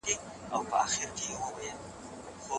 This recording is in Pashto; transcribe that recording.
ايا حضوري زده کړه د ټولګي د ګډو فعالیتونو امکان برابروي؟